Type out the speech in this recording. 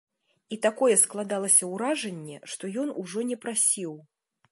І такое складалася ўражанне, што ён ужо не прасіў.